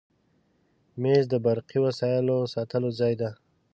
مېز د برقي وسایلو ساتلو ځای دی.